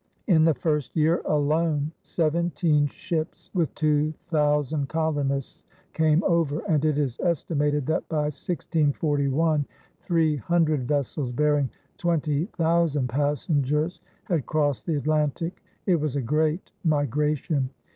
In the first year alone seventeen ships with two thousand colonists came over, and it is estimated that by 1641 three hundred vessels bearing twenty thousand passengers had crossed the Atlantic. It was a great migration.